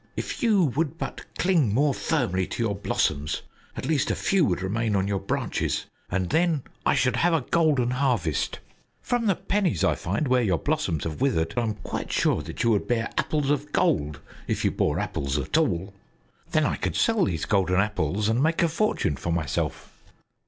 "If you would but cling more firmly to your blossoms, at least a few would remain on your branches, and then I should have a golden harvest. From the pennies I find where your blossoms have withered, I am quite sure that you would bear apples of gold, if you bore apples at all. Then I could sell these golden apples and make a fortune for myself."